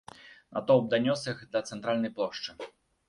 Натоўп данёс іх да цэнтральнай плошчы.